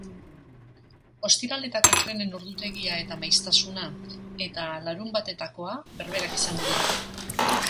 Ostiraletako trenen ordutegia eta maiztasuna eta larunbatetakoa berberak izango dira.